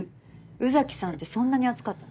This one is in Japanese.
宇崎さんってそんなに熱かったの？